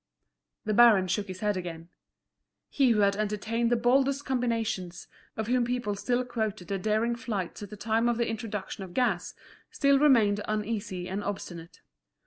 The baron shook his head again. He who had entertained the boldest combinations, of whom people still quoted the daring flights at the time of the introduction of gas, still remained uneasy and obstinate.